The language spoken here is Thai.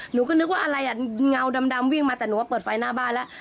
หนูก็นึกว่าอะไรอ่ะเงาดำวิ่งมาแต่หนูว่าเปิดไฟหน้าบ้านแล้ว